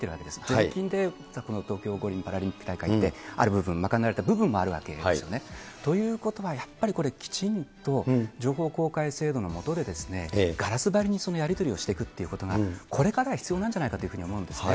税金で東京五輪・パラリンピック大会ってある部分、賄われた部分もあるわけですよね。ということは、やっぱりこれ、きちんと情報公開制度の下で、ガラス張りにやり取りをしていくというのが、これからは必要なんじゃないかなというふうに思うんですね。